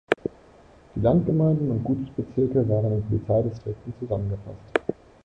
Die Landgemeinden und Gutsbezirke waren in Polizeidistrikten zusammengefasst.